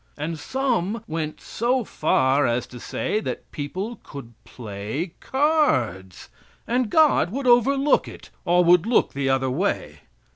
And some went so far as to say that people could play cards, and God would overlook it, or would look the other way.